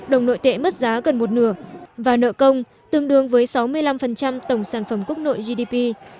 đồng nội tệ mất giá gần một nửa và nợ công tương đương với sáu mươi năm tổng sản phẩm quốc nội gdp